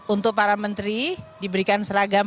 untuk para menteri diberikan seragam